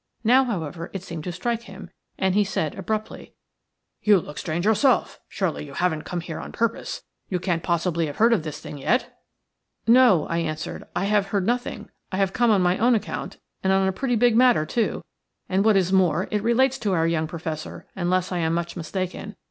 Now, however, it seemed to strike him, and he said, abruptly:– "You look strange yourself. Surely you haven't came here on purpose? You can't possibly have heard of this thing yet?" "No," I answered. "I have heard nothing. I have come on my own account, and on a pretty big matter too, and, what is more, it relates to our young Professor, unless I am much mistaken.